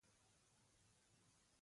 احمد وويل: مېلمه ته خټینه کاسه ورکوي.